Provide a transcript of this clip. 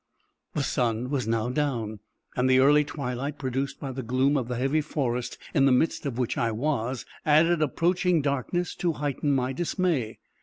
The sun was now down, and the early twilight produced by the gloom of the heavy forest, in the midst of which I was, added approaching darkness to heighten my dismay.